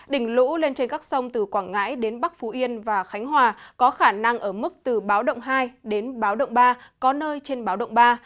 đỉnh lũ lên trên các sông từ quảng ngãi đến bắc phú yên và khánh hòa có khả năng ở mức từ báo động hai đến báo động ba có nơi trên báo động ba